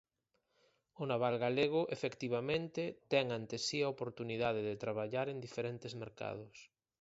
O naval galego, efectivamente, ten ante si a oportunidade de traballar en diferentes mercados.